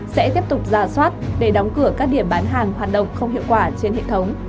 sẽ tiếp tục ra soát để đóng cửa các điểm bán hàng hoạt động không hiệu quả trên hệ thống